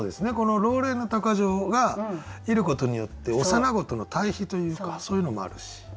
この「老練の鷹匠」がいることによって「幼子」との対比というかそういうのもあるし。